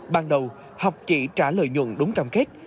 ban đầu học chỉ trả lợi nhuận đúng cam kết